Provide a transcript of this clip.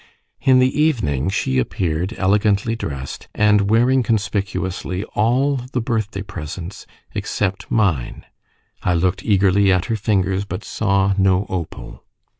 In the evening she appeared elegantly dressed, and wearing conspicuously all the birthday presents except mine. I looked eagerly at her fingers, but saw no opal.